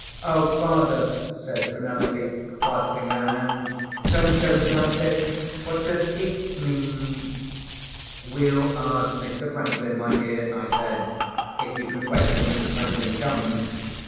"Oh, father!" says Penelope, clasping her hands, "don't joke about this. What does 'It' mean?" "We'll ask Mr. Franklin, my dear," I said, "if you can wait till Mr. Franklin comes."